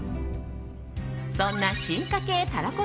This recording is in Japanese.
そんな進化系たらこ